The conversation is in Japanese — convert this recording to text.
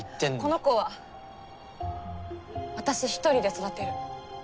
この子は私一人で育てる。